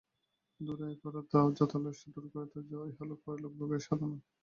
দূর করে দাও যত আলস্য, দূর করে দাও ইহলোক ও পরলোকে ভোগের বাসনা।